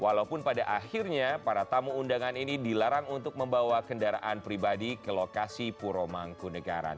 walaupun pada akhirnya para tamu undangan ini dilarang untuk membawa kendaraan pribadi ke lokasi puro mangku negara